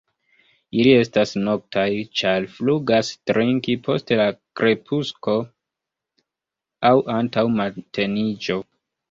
Ili estas noktaj, ĉar flugas trinki post la krepusko aŭ antaŭ mateniĝo.